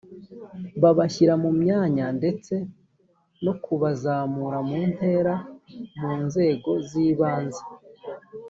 kubashyira mu myanya ndetse no kubazamura mu ntera mu nzego z ibanze